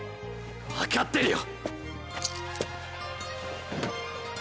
分かってるよ！